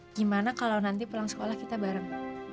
gimana kalau nanti pulang sekolah kita bareng